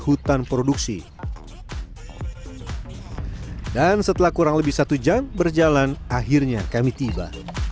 hutan produksi dan setelah kurang lebih satu jam berjalan akhirnya kami tiba